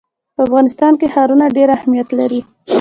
په افغانستان کې ښارونه ډېر اهمیت لري.